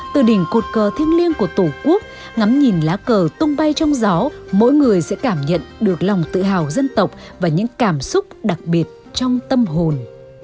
từ đỉnh cột cờ thiêng liêng của tổ quốc ngắm nhìn lá cờ tung bay trong gió mỗi người sẽ cảm nhận được lòng tự hào dân tộc và những cảm xúc đặc biệt trong tâm hồn